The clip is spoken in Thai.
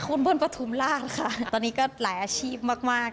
คุณเบิ้ลปฐุมราชค่ะตอนนี้ก็หลายอาชีพมาก